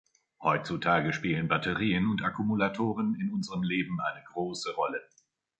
Heutzutage spielen Batterien und Akkumulatoren in unserem Leben eine große Rolle.